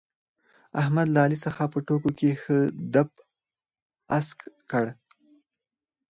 احمد له علي څخه په ټوکو کې ښه دپ اسک کړ.